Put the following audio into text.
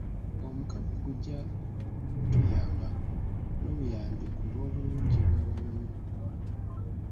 Omukago gujja kutuyamba n'obuyambi ku lw'obulungi bw'abanoonyiboobubudamu.